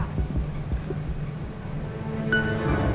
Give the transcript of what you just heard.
mau tolongin jess nggak